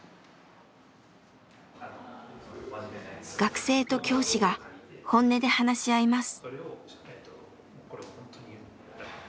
学生と教師が本音で話し合います。